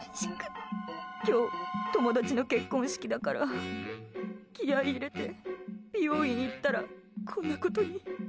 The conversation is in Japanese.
今日、友達の結婚式だから気合入れて美容院行ったらこんなことに。